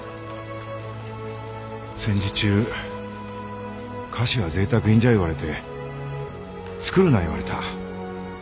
戦時中菓子はぜいたく品じゃ言われて作るな言われた。